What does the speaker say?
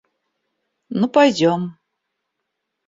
Ну, пойдем.